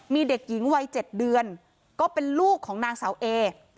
มีเด็กหญิงวัย๗เดือนก็เป็นลูกของนางสาวเอ